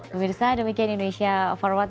pemirsa demikian indonesia forward